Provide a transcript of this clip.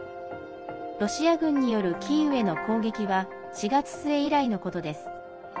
ロシア軍によるキーウへの攻撃は４月末以来のことです。